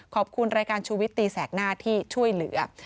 ขอบคุณรายการชูวิตตีแสกหน้าที่ช่วยเหลือ